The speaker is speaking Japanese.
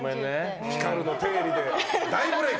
「ピカルの定理」で大ブレーク。